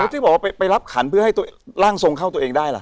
ที่บอกว่าไปรับขันเพื่อให้ร่างทรงเข้าตัวเองได้ล่ะ